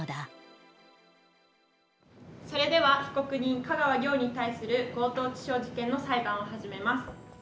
それでは被告人香川良に対する強盗致傷事件の裁判を始めます。